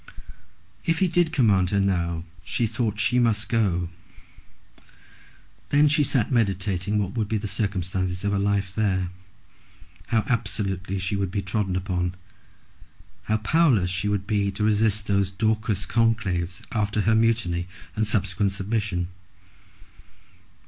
If he did command her now she thought that she must go. Then she sat meditating what would be the circumstances of her life there, how absolutely she would be trodden upon; how powerless she would be to resist those Dorcas conclaves after her mutiny and subsequent submission!